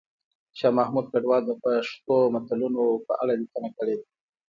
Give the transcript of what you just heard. شاه محمود کډوال د پښتو متلونو په اړه لیکنه کړې ده